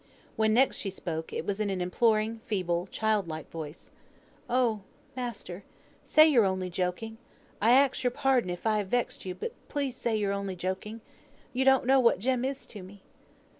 When next she spoke, it was in an imploring, feeble, child like voice. "Oh, master, say you're only joking. I ax your pardon if I have vexed ye, but please say you're only joking. You don't know what Jem is to me."